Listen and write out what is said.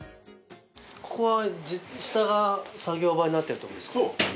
ここは下が作業場になってるってことですか？